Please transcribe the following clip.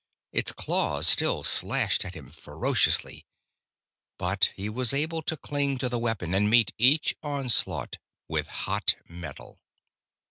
Its claws still slashed at him ferociously. But he was able to cling to the weapon, and meet each onslaught with hot metal.